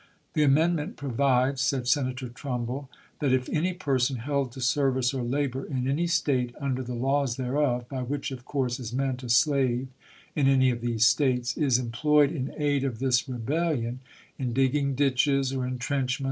" The amend ment provides," said Senator Trumbull, "that if any person held to service or labor in any State, under the laws thereof (by which, of course, is meant a slave in any of these States), is employed in aid of this rebellion, in digging ditches or intrenchments.